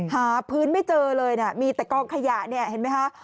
หาพื้นไม่เจอเลยนะมีแต่กองขยะเนี่ยเห็นไหมคะ